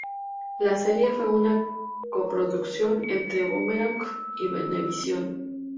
La serie fue una co-produccion entre Boomerang y Venevisión.